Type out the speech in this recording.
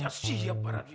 ya siap pak radityo